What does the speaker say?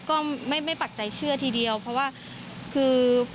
ก็ไม่ปักใจเชื่อทีเดียวเพราะว่าคือ